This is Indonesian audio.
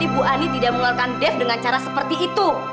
seharusnya tadi bu ani tidak mengeluarkan dev dengan cara seperti itu